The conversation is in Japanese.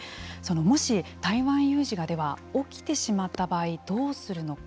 もし台湾有事が起きてしまった場合どうするのか。